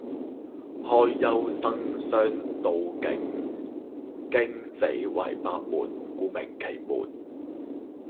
開、休、生、傷、杜、景、驚、死為八門故名「奇門」